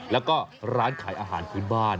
แล้วก็ร้านขายอาหารพื้นบ้าน